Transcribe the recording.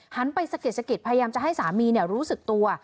หันไปสะกิดพยายามจะให้สามีรู้สึกตัว